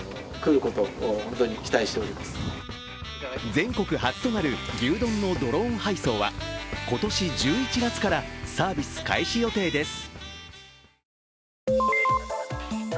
全国初となる牛丼のドローン配送は今年１１月からサービス開始予定です。